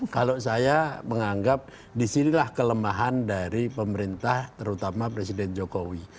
kalau saya menganggap disinilah kelemahan dari pemerintah terutama presiden jokowi